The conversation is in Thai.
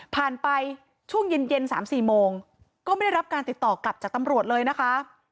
ผ่านไปช่วงเย็นเย็นสามสี่โมงก็ไม่ได้รับการติดต่อกลับจากตำรวจเลยนะคะ